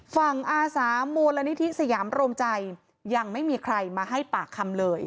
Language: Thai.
อาสามูลนิธิสยามโรมใจยังไม่มีใครมาให้ปากคำเลย